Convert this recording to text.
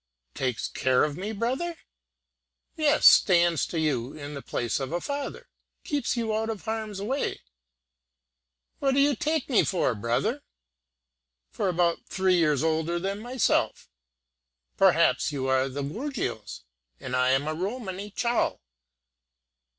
"Takes care of me, brother!" "Yes, stands to you in the place of a father keeps you out of harm's way." "What do you take me for, brother?" "For about three years older than myself." "Perhaps; but you are of the gorgios, and I am a Romany Chal.